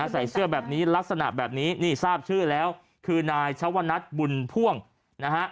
ใส่เสื้อแบบนี้ลักษณะแบบนี้นี่ทราบชื่อแล้วคือนายชวนนัทบุญพ่วงนะฮะ